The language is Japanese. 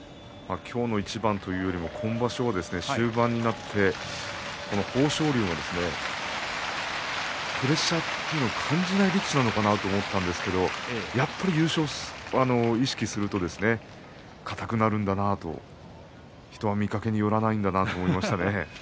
今日の一番というより今場所終盤になって豊昇龍はプレッシャーを感じない力士かなと思ったんですがやはり優勝を意識すると硬くなるんだなと人は見かけによらないんだなと感じました。